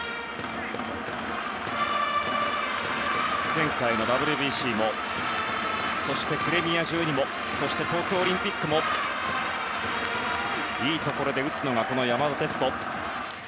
前回のＷＢＣもそしてプレミア１２もそして東京オリンピックもいいところで打つのがこの山田哲人。